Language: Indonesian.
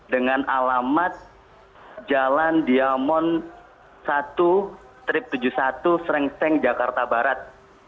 dengan alamat jalan diamond satu trip tujuh puluh satu serengseng jakarta barat